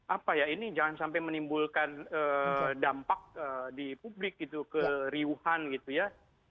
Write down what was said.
apa ya ini jangan sampai menimbulkan dampak di publik gitu keriuhan gitu ya